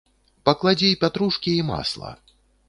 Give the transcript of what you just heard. Пакладзі пятрушкі і масла.